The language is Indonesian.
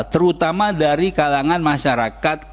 terutama dari kalangan masyarakat